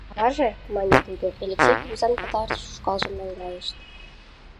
— Аваже, — мане тудо, — Элексей кугызан пытартыш ушкалжым наҥгайышт.